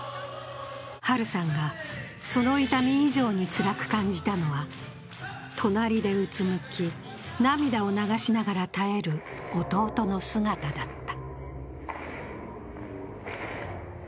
ハルさんが、その痛み以上につらく感じたのは隣でうつむき、涙を流しながら耐える弟の姿だった。